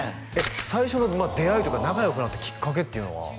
最初の出会いとか仲良くなったきっかけっていうのは？